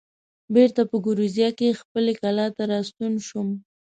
بېرته په ګوریزیا کې خپلې کلا ته راستون شوم.